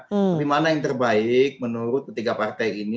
bagaimana yang terbaik menurut ketiga partai ini